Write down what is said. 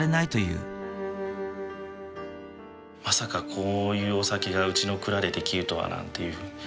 まさかこういうお酒がうちの蔵で出来るとはなんていうふうに。